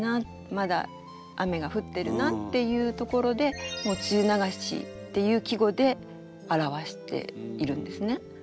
「まだ雨が降ってるな」っていうところでもう「梅雨長し」っていう季語で表しているんですね。